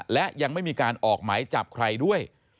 และยังไม่มีการออกหมายจับใครด้วย